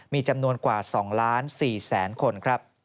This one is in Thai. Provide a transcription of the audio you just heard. มีจำนวนกว่า๒๔๐๐๐๐๐คน